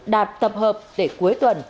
đạt tập hợp để cuối tuần